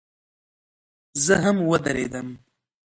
زه هم ودرېدم.